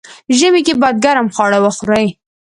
ژمی کی باید ګرم خواړه وخوري.